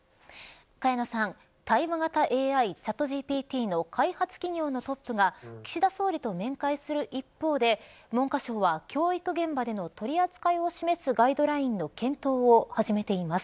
萱野さん、対話型ＡＩＣｈａｔＧＰＴの開発企業のトップが岸田総理と面会する一方で文科省は教育現場での取り扱いを示すガイドラインの検討を始めています。